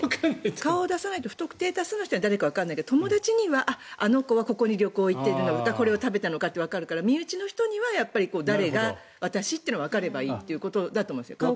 顔を出さないと不特定多数はわからないけど友達には、あっ、あの子はここの旅行に行ってるのかこれを食べたのかってわかるから身内の人には誰が私とわかればいいということだと思うんですよ。